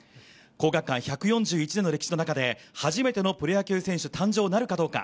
皇學館１４１年の歴史の中で初めてのプロ野球選手誕生なるかどうか。